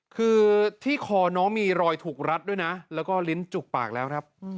คือที่คอน้องมีรอยถูกรัดด้วยนะแล้วก็ลิ้นจุกปากแล้วครับ